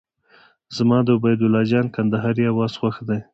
زما د عبید الله جان کندهاري اواز خوښ دی.